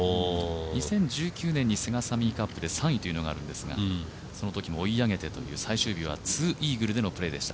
２０１９年にセガサミーカップで３位というのがあるんですが、そのときも追い上げてという、最終日は２イーグルでのプレーでした。